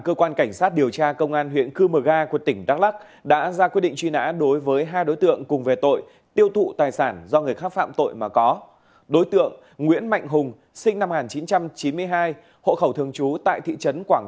cơ quan công an đã ra lệnh bắt khẩn cấp đối với phan văn thuận và tống đạt các đối tượng có liên quan